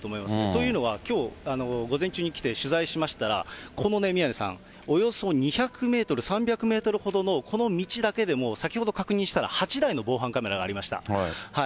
というのは、きょう、午前中に来て、取材しましたら、このね、宮根さん、およそ２００メートル、３００メートルほどのこの道だけでも、先ほど確認したら８台の防犯カメラがありました。